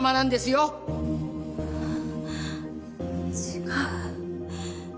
違う。